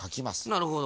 なるほど。